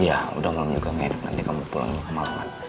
ya udah ngomong juga nggak enak nanti kamu pulang ke malaman